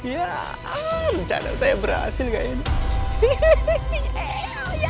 ya bencana saya berhasil kayaknya